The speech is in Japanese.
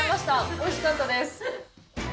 おいしかったです。